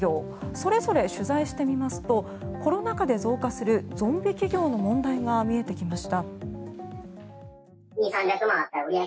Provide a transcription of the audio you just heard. それぞれ取材してみますとコロナ禍で増加するゾンビ企業の問題が見えてきました。